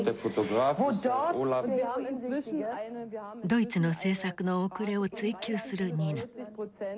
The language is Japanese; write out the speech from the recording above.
ドイツの政策の遅れを追及するニナ。